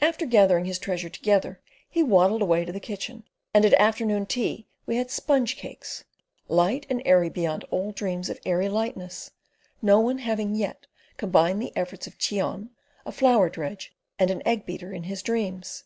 After gathering his treasure together he waddled away to the kitchen, and at afternoon tea we had sponge cakes, light and airy beyond all dreams of airy lightness, no one having yet combined the efforts of Cheon, a flour dredge, and an egg beater, in his dreams.